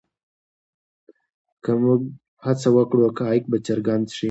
که موږ هڅه وکړو حقایق به څرګند شي.